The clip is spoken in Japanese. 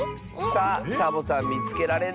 さあサボさんみつけられる？